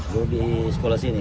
gue di sekolah sini